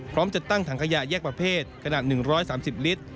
พร้อมจะตั้งถังขยะแยกประเภทขนาดหนึ่งร้อยสามสิบลิตร